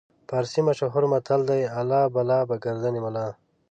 فارسي مشهور متل دی: الله بلا به ګردن ملا.